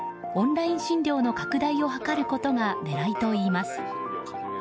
オンライン診療の拡大を図ることが狙いといいます。